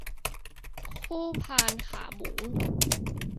คู่พานขาหมู